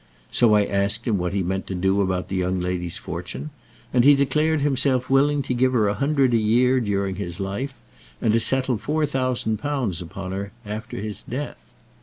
So I asked him what he meant to do about the young lady's fortune, and he declared himself willing to give her a hundred a year during his life, and to settle four thousand pounds upon her after his death.